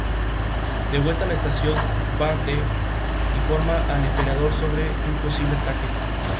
De vuelta a la estación, Vader informa al Emperador sobre un posible ataque.